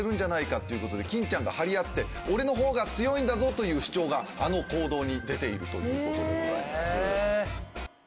キンちゃんが張り合って俺の方が強いんだぞという主張があの行動に出ているということでございます。